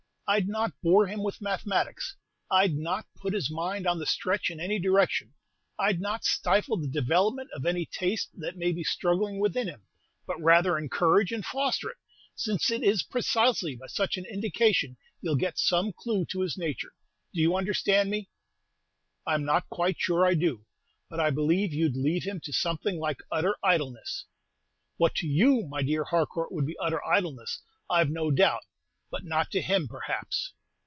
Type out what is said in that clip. I 'd not bore him with mathematics; I 'd not put his mind on the stretch in any direction; I 'd not stifle the development of any taste that may be struggling within him, but rather encourage and foster it, since it is precisely by such an indication you 'll get some clew to his nature. Do you understand me?" "I 'm not quite sure I do; but I believe you'd leave him to something like utter idleness." "What to you, my dear Harcourt, would be utter idleness, I've no doubt; but not to him, perhaps."